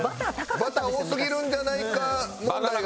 バター多すぎるんじゃないか問題が。